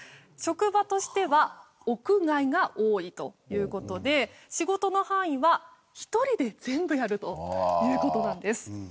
職場としては屋外が多いという事で仕事の範囲は１人で全部やるという事なんです。